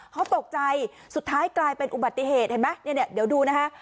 เขาตกใจสุดท้ายกลายเป็นอุบัติเหตุเห็นไหมเนี่ยเดี๋ยวดูนะคะ